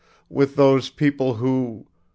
. with those people, who .